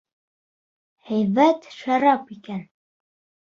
Һәйбәт шарап икән!